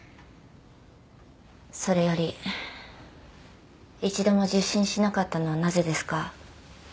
それより一度も受診しなかったのはなぜですか？